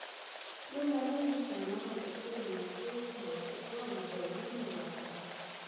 لومړنیو انسانانو د سترو مغزو بیه په دوو ډولونو ورکړه.